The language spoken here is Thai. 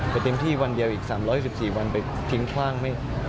เต็มที่วันเดียวอีก๓๑๔วันไปทิ้งคว่าง